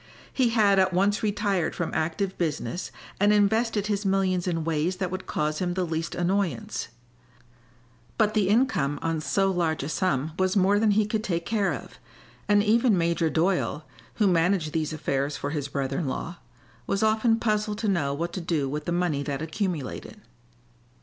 He had at once retired from active business and invested his millions in ways that would cause him the least annoyance; but the income on so large a sum was more than he could take care of, and even Major Doyle, who managed these affairs for his brother in law, was often puzzled to know what to do with the money that accumulated.